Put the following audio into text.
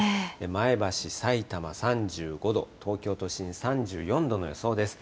前橋、さいたま、３５度、東京都心３４度の予想です。